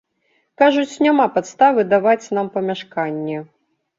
Кажуць, няма падставы даваць нам памяшканне.